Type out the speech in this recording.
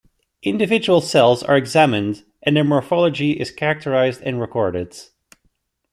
Individual cells are examined and their morphology is characterized and recorded.